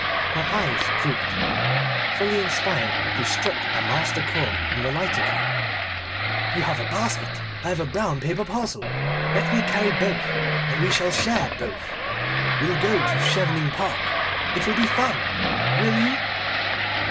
Her eyes drooped. Fully inspired, he struck a master chord in the lighter key. "You have a basket. I have a brown paper parcel. Let me carry both, and we will share both. We'll go to Chevening Park. It will be fun. Will you?"